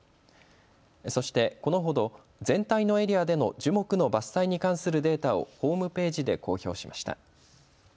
そして、このほど全体のエリアでの樹木の伐採に関するデータをホームページで公表しました。